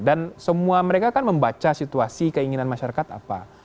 dan semua mereka kan membaca situasi keinginan masyarakat apa